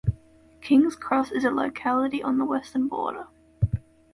Kings Cross is a locality on the western border.